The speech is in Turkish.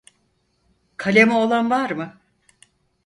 Kalemi olan var mı?